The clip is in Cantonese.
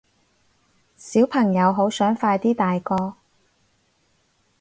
小朋友好想快啲大個